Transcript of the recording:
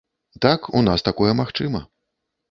Так, у нас такое магчыма.